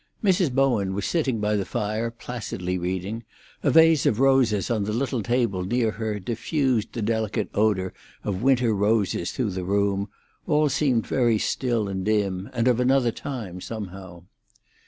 Mrs. Bowen was sitting by the fire, placidly reading; a vase of roses on the little table near her diffused the delicate odour of winter roses through the room; all seemed very still and dim, and of another time, somehow.